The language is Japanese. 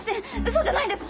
嘘じゃないんです！